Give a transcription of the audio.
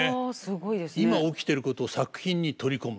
今起きてることを作品に取り込む。